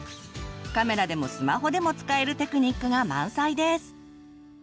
カメラでもスマホでも使えるテクニックが満載です！